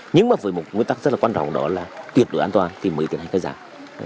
nhưng mà với một nguyên tắc rất là quan trọng đó là tuyệt đối an toàn thì mới tiến hành khai giảng